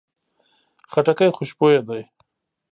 خټکی خوشبویه ده.